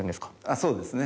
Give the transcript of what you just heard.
そうですね